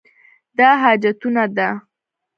دا حاجتونه ده.